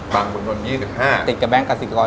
ตลอดเวลานาทิตย์